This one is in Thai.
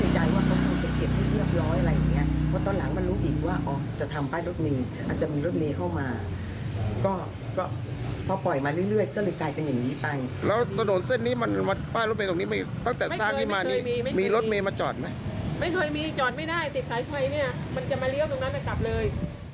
จะจอดไหมไม่เคยมีจอดไม่ได้ติดสายไฟเนี่ยมันจะมาเลี่ยวตรงนั้นไปกลับเลย